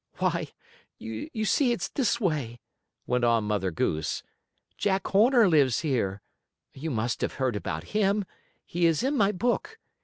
"Why, you see it's this way," went on Mother Goose. "Jack Horner lives here. You must have heard about him. He is in my book.